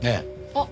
あっ。